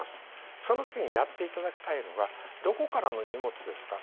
その時にやっていただきたいのがどこからの荷物ですか？